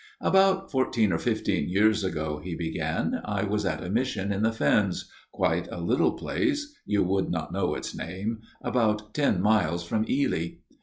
" About fourteen or fifteen years ago," he began, " I was at a mission in the Fens quite a little place you would not know its name about ten miles from Ely.